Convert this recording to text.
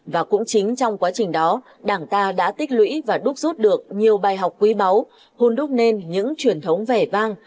và cũng chính trong quá trình đó đảng ta đã tích lũy và đúc rút được nhiều bài học quý báu hôn đúc nên những truyền thống vẻ vang